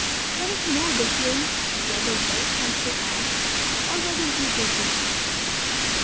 There is no difference whether death comes to us, or whether we go to death.